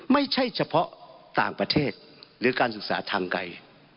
ไม่ใช่เฉพาะต่างประเทศหรือการศึกษาทางไกล